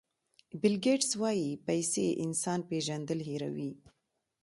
بیل ګېټس وایي پیسې انسان پېژندل هیروي.